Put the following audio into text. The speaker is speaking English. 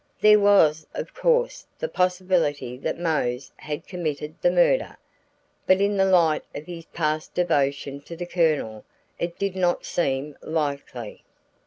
There was of course the possibility that Mose had committed the murder, but in the light of his past devotion to the Colonel it did not seem likely.